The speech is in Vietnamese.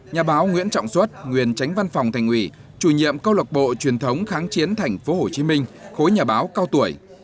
nhà báo nguyễn trọng xuất nguyên tránh văn phòng thành ủy chủ nhiệm câu lọc bộ truyền thống kháng chiến tp hcm khối nhà báo cao tuổi